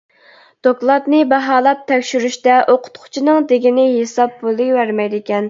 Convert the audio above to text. دوكلاتنى باھالاپ تەكشۈرۈشتە ئوقۇتقۇچىنىڭ دېگىنى ھېساب بولۇۋەرمەيدىكەن.